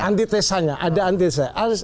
anti tesanya ada anti tesanya